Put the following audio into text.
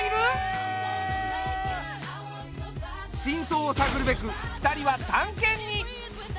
真相を探るべく２人は探検に！